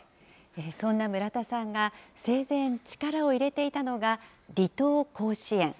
そんな村田さんが、生前、力を入れていたのが、離島甲子園。